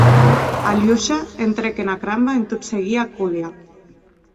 Aliosha entrèc ena cramba en tot seguir a Kolia.